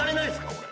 これ。